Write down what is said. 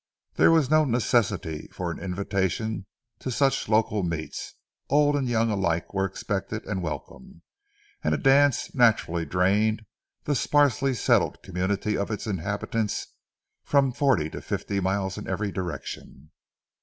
There was no necessity for an invitation to such local meets; old and young alike were expected and welcome, and a dance naturally drained the sparsely settled community of its inhabitants from forty to fifty miles in every direction.